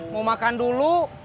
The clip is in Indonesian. mau makan dulu